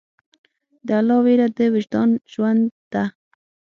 د الله ویره د وجدان ژوند ده.